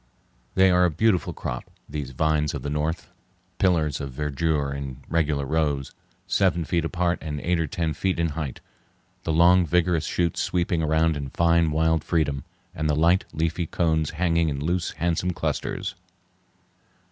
They are a beautiful crop, these vines of the north, pillars of verdure in regular rows, seven feet apart and eight or ten feet in height; the long, vigorous shoots sweeping round in fine, wild freedom, and the light, leafy cones hanging in loose, handsome clusters.